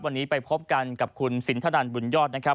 วันนี้ไปพบกันกับคุณสินทนันบุญยอดนะครับ